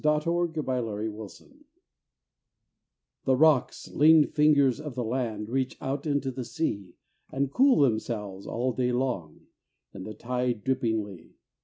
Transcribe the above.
ON THE MAINE COAST The rocks, lean fingers of the land, Reach out into the sea And cool themselves, all day long, In the tide drippingly.